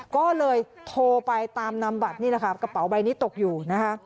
ก็เลยโทรไปตามนำบัตรนี่แหละค่ะกระเป๋าใบนี้ตกอยู่นะคะ